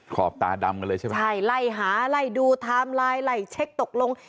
ขอบตาดำกันเลยใช่ไหมใช่ไล่หาไล่ดูไทม์ไลน์ไล่เช็คตกลง